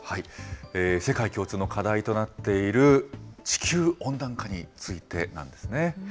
世界共通の課題となっている地球温暖化についてなんですね。